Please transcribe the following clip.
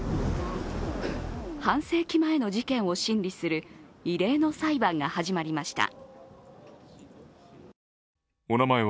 半世紀前の事件を審理する異例の裁判が始まりました。